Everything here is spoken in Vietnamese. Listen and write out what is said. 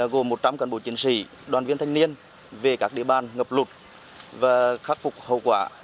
gồm một trăm linh cán bộ chiến sĩ đoàn viên thanh niên về các địa bàn ngập lụt và khắc phục hậu quả